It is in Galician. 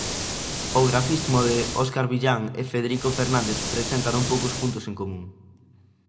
O grafismo de Óscar Villán e Federico Fernández presenta non poucos puntos en común.